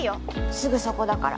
すぐそこだから。